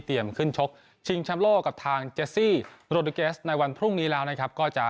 เตรียมขึ้นชกชิงชั้นโลกกับทางเจซซี่โรดิเกสในวันพรุ่งนี้แล้วก็จะ